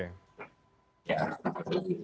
ya itu perlu